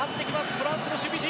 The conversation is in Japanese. フランスの守備陣！